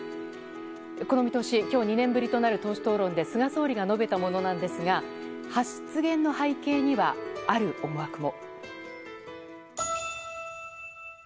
この見通し、今日２年ぶりとなる党首討論で菅総理が述べたものなんですが発言の背景にはある思惑も。